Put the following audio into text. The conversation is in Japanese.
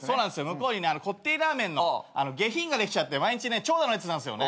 向こうにねこってりラーメンの下品ができちゃって毎日長蛇の列なんすよ。